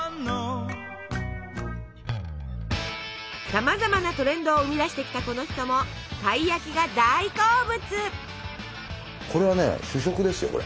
さまざまなトレンドを生み出してきたこの人もたい焼きが大好物！